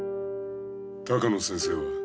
鷹野先生は。